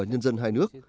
nhân dân hai nước